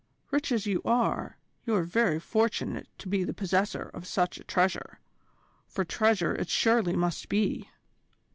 Rich as you are, you are very fortunate to be the possessor of such a treasure for treasure it surely must be."